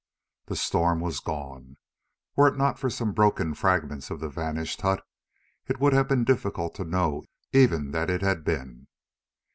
The storm was gone. Were it not for some broken fragments of the vanished hut, it would have been difficult to know even that it had been.